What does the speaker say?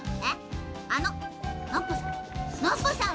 あのノッポさん。